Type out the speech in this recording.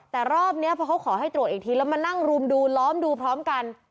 แต่รอบนี้พอเขาขอให้ตรวจอีกทีแล้วมานั่งรุมดูล้อมดูพร้อมกัน